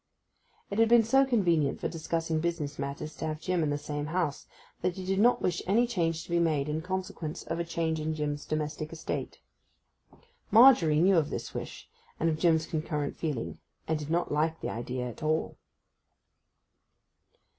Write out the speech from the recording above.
It had been so convenient for discussing business matters to have Jim in the same house, that he did not wish any change to be made in consequence of a change in Jim's domestic estate. Margery knew of this wish, and of Jim's concurrent feeling; and did not like the idea at all.